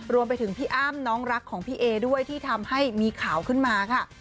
รวมไปถึงพี่อ้ำน้องรักของพี่เอด้วยที่ทำให้มีข่าวขึ้นมาค่ะ